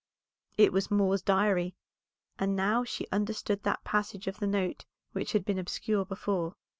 It was Moor's Diary, and now she understood that passage of the note which had been obscure before.